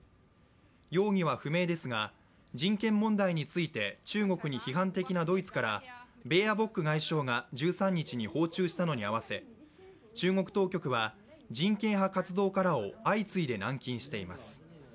容疑は不明ですが人権問題について中国に批判的なドイツからベーアボック外相が１３日に訪中したのに合わせ中国当局は人権派活動家らを相次いで軟禁しています。